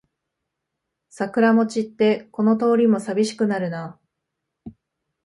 桜も散ってこの通りもさびしくなるな